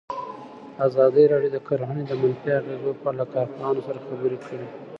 ازادي راډیو د کرهنه د منفي اغېزو په اړه له کارپوهانو سره خبرې کړي.